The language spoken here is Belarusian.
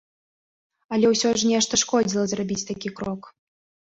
Але ўсё ж нешта шкодзіла зрабіць такі крок.